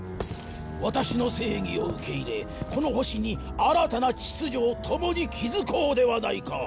ワタシの正義を受け入れこの星に新たな秩序を共に築こうではないか！